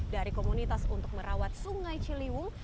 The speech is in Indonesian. dari komunitas untuk merawat sungai ciliwung